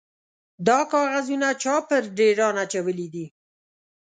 _دا کاغذونه چا پر ډېران اچولي دي؟